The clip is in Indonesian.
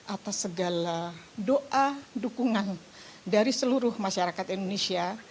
atas segala doa dukungan dari seluruh masyarakat indonesia